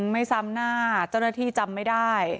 ไม่ซ้ำหน้าเจ้าหน้าที่จำไม่ได้